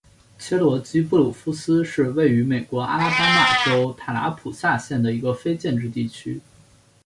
切罗基布鲁夫斯是位于美国阿拉巴马州塔拉普萨县的一个非建制地区。